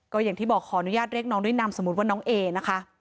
ก็อย่างที่บอกขออนุญาตเรียกน้องด้วยนามสมมุติว่าน้องเอนะคะ